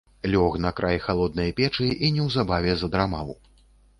Лёг на край халоднай печы і неўзабаве задрамаў.